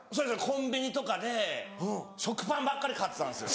コンビニとかで食パンばっかり買ってたんですよ。